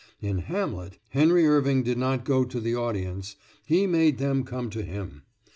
In "Hamlet" Henry Irving did not go to the audience; he made them come to him.